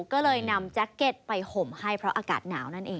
ก็เลยนำแจ็คเก็ตไปห่มให้เพราะอากาศหนาวนั่นเอง